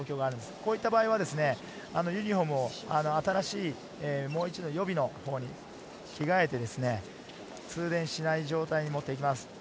こういう場合はユニホームを新しい、もう一度、予備のほうに着替えて、通電しない状態に持っていきます。